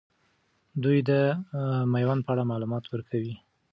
دوي د میوند په اړه معلومات ورکول.